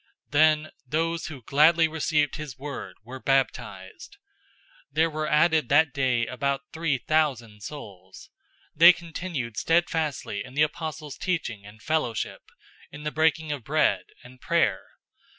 002:041 Then those who gladly received his word were baptized. There were added that day about three thousand souls. 002:042 They continued steadfastly in the apostles' teaching and fellowship, in the breaking of bread, and prayer.